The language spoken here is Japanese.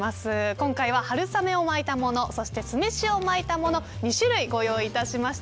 今回は、春雨を巻いたものそして酢飯を巻いたもの２種類ご用意いたしました。